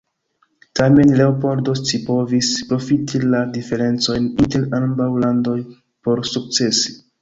Tamen, Leopoldo scipovis profiti la diferencojn inter ambaŭ landoj por sukcesi.